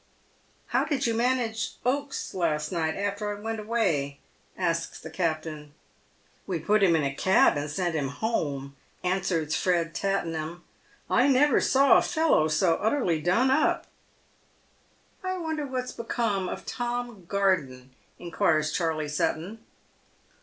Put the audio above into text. How did you manage Oaks last night, after I went away," asks the captain. "We put him in a cab, and sent him home," answers Fred Tatten ham ;" I never saw a fellow so utterly done up." 178 PAVED WITH GOLD. "I wonder what's become of Tom G arden," inquires Charley Sutton.